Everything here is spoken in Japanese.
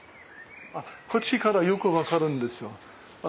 こっちからよく分かるんですよ。